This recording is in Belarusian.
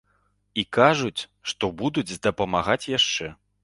І кажуць, што будуць дапамагаць яшчэ.